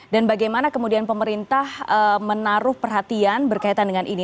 dan bagaimana kemudian pemerintah menaruh perhatian berkaitan dengan ini